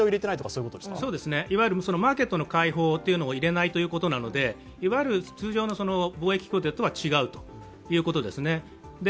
マーケットの解放を入れないということなので通常の貿易協定とは違うということですね。